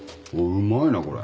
うまいなこれ。